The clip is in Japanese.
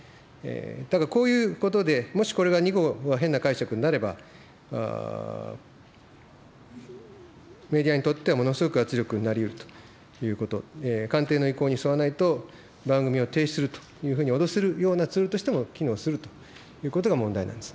ただこういうことで、もしこれが２号が変な解釈になれば、メディアにとってはものすごく圧力になりうるということ、官邸の意向に沿わないと、番組を停止するというふうに脅せるようなツールとしても機能するということが問題なんです。